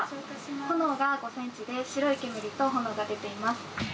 炎が５センチで、白い煙と炎が出ています。